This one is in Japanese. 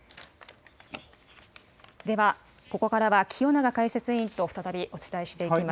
では、ここからは清永解説委員と再びお伝えしていきます。